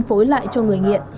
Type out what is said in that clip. phối lại cho người nghiện